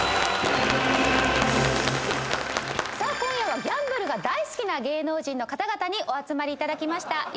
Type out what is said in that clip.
さあ今夜はギャンブルが大好きな芸能人の方々にお集まりいただきました。